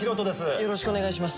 よろしくお願いします。